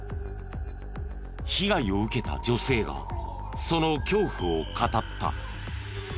被害を受けた女性がその恐怖を語った。